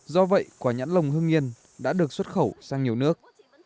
do vậy quả nhãn lồng hương yên đã được xuất khẩu sang nhiều nước